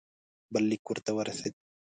بل لیک ورته ورسېد.